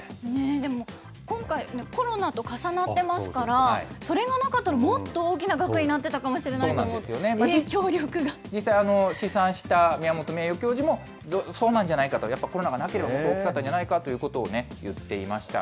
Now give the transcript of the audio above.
でも今回、コロナと重なってますから、それがなかったらもっと大きな額になってたかもしれないと思うと、実際、試算した宮本名誉教授も、そうなんじゃないかと、コロナがなければもっと大きかったんじゃないかということを言っていました。